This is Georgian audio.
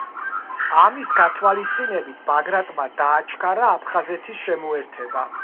ამის გათვალისწინებით ბაგრატმა დააჩქარა აფხაზეთის შემოერთება.